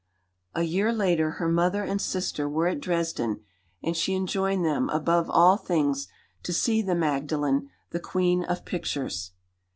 A year later her mother and sister were at Dresden, and she enjoined them, above all things, to see "the Magdalen, the queen of pictures."